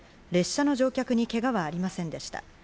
列車の乗客にけがはありませんでした。